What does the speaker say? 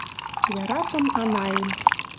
— Яратым Анаэм